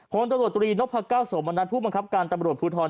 ข้อมูลโจทย์ตัวตรีนพก้าวสมผู้บังคับการตำรวจผู้ทร